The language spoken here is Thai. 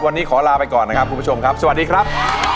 วันนี้ขอลาไปก่อนนะครับคุณผู้ชมครับสวัสดีครับ